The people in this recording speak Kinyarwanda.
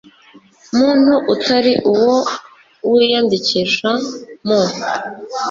muntu utari uwo wiyandikisha mu